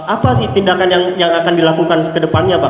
apa sih tindakan yang akan dilakukan kedepannya pak